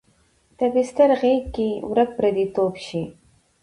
د بستر غیږ کې ورک پردی توب شي